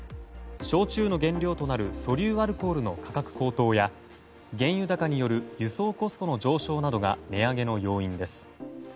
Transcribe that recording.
焼酎の原料となる粗留アルコールの価格高騰や原油高による輸送コストの上昇などが値上げの要因です。